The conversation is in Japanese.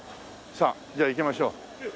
さあじゃあ行きましょう。